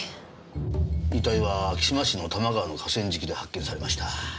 遺体は昭島市の多摩川の河川敷で発見されました。